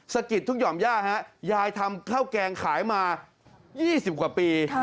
สะกิดทุกหย่อมย่าฮะยายทำข้าวแกงขายมา๒๐กว่าปี